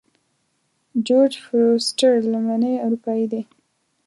جورج فورسټر لومړنی اروپایی دی.